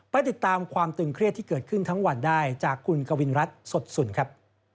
ติดตามความตึงเครียดที่เกิดขึ้นทั้งวันได้จากคุณกวินรัฐสดสุนครับ